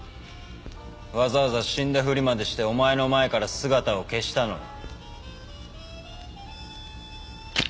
わざわざ死んだふりまでしてお前の前から姿を消したのに。